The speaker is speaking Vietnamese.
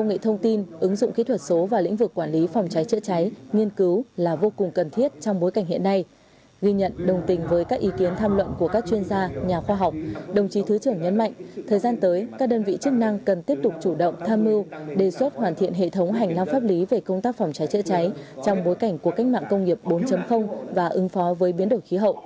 nghi nhận đồng tình với các ý kiến tham luận của các chuyên gia nhà khoa học đồng chí thứ trưởng nhấn mạnh thời gian tới các đơn vị chức năng cần tiếp tục chủ động tham mưu đề xuất hoàn thiện hành lang pháp lý về công tác phòng cháy chữa cháy trong bối cảnh cuộc cách mạng công nghiệp bốn và ứng phó với biến đổi khí hậu